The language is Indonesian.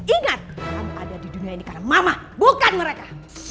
ingat kamu ada di dunia ini karena mama bukan mereka